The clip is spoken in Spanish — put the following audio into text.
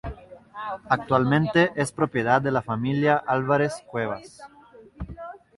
Actualmente es propiedad de la familia Álvarez-Cuevas.